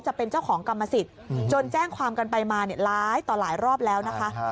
จะเป็นเจ้าของกรรมสิทธิ์จนแจ้งความกันไปมาหลายต่อหลายรอบแล้วนะคะ